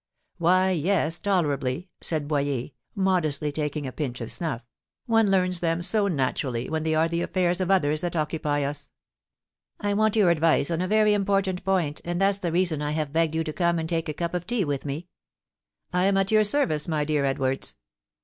"Why, yes, tolerably," said Boyer, modestly taking a pinch of snuff, "one learns them so naturally, when they are the affairs of others that occupy us." "I want your advice on a very important point, and that's the reason I have begged you to come and take a cup of tea with me." "I'm at your service, my dear Edwards."